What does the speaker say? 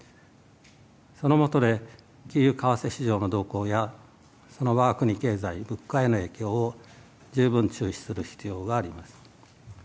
その下で、金融為替市場の動向や、そのわが国経済・物価への影響を十分注視する必要があります。